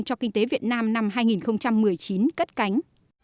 cho kinh tế việt nam năm hai nghìn một mươi chín cất cánh